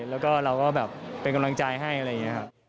แล้วก็เราก็แบบเป็นกำลังใจให้อะไรอย่างนี้ครับ